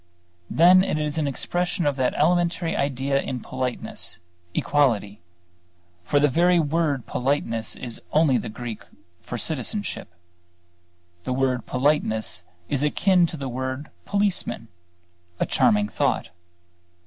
Then it is an expression of that elementary idea in politeness equality. For the very word politeness is only the Greek for citizenship. The word politeness is akin to the word policeman: a charming thought.